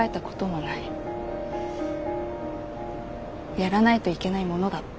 やらないといけないものだった。